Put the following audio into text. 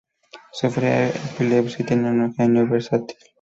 Sufría epilepsia y tenía un genio versátil.